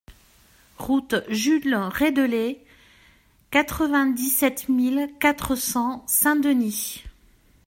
Route Jules Reydellet, quatre-vingt-dix-sept mille quatre cents Saint-Denis